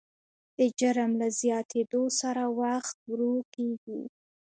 د جرم له زیاتېدو سره وخت ورو کېږي.